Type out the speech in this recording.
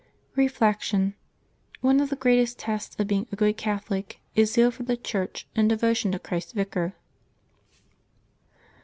Reflection. — One of the greatest tests of being a good Catholic is zeal for the Church and devotion to Chrisf s Vicar.